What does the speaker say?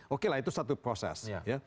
oke lah itu satu proses